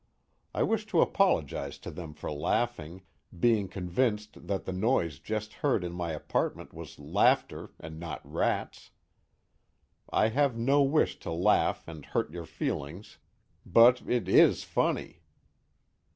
I wish to apologize to them for laughing, being convinced that the noise just heard in my apartment was laughter and not rats. I have no wish to laugh and hurt your feelings, but it IS funny.